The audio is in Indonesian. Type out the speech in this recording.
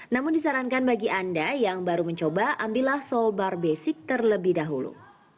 namun disarankan bagi anda yang baru mencoba ambillah soul bar basic terlebih dahulu